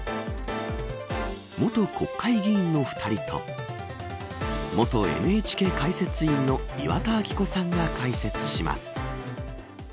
元国会議員の２人と元ＮＨＫ解説委員の岩田明子さんが解説します。